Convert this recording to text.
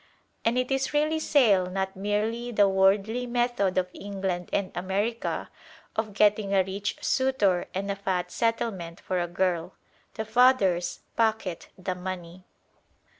And it is really sale, not merely the worldly method of England and America of getting a rich suitor and a fat settlement for a girl. The fathers pocket the money.